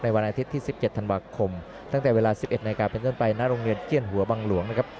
วันอาทิตย์ที่๑๗ธันวาคมตั้งแต่เวลา๑๑นาฬิกาเป็นต้นไปณโรงเรียนเจียนหัวบังหลวงนะครับ